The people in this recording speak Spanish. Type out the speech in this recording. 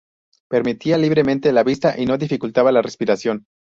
Permitía libremente la vista y no dificultaba la respiración.